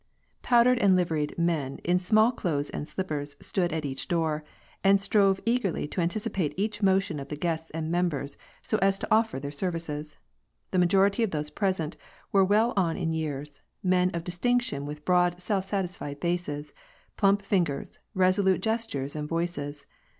Powdered and liveried footmen in small clothes and slippers stood at each door, and strove eagerly to anticipate each motion of the guests and members, so as to offer their services. The majority of those present were well on in jears, men of distinction with broad self «atisfied faces, plump fingers, resolute gestures and voices.